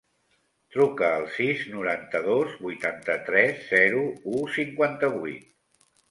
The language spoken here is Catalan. Truca al sis, noranta-dos, vuitanta-tres, zero, u, cinquanta-vuit.